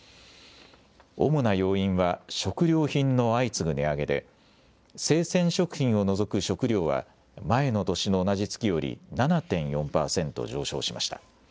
主な要因は、食料品の相次ぐ値上げで、生鮮食品を除く食料は前の年の同じ月より、７．４％上昇しました。